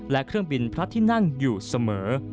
และเครื่องบินพระที่นั่งอยู่เสมอ